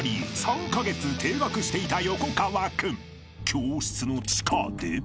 ［教室の地下で］